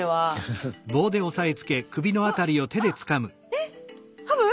えっハブ？